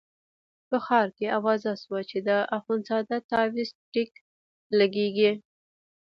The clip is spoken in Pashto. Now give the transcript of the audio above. په ښار کې اوازه شوه چې د اخندزاده تاویز ټیک لګېږي.